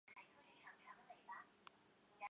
抗战胜利后车站复名徐州站至今。